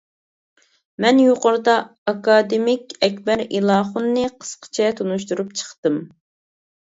مەن يۇقىرىدا ئاكادېمىك ئەكبەر ئېلاخۇننى قىسقىچە تونۇشتۇرۇپ چىقتىم.